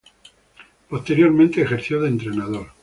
Posteriormente ejerció de entrenador.